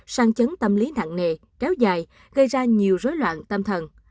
sang chấn tâm lý nặng nề kéo dài gây ra nhiều rối loạn tâm thần